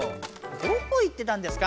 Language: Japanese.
どこ行ってたんですか？